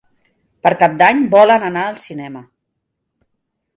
Per Cap d'Any volen anar al cinema.